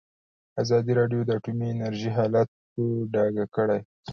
ازادي راډیو د اټومي انرژي حالت په ډاګه کړی.